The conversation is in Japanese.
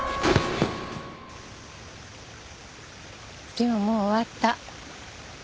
でももう終わった。